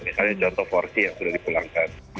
misalnya contoh porsi yang sudah dipulangkan